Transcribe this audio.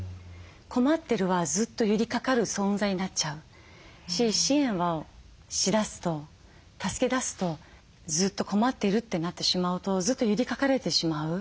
困ってるはずっと寄りかかる存在になっちゃうし支援をしだすと助けだすとずっと困ってるってなってしまうとずっと寄りかかれてしまう。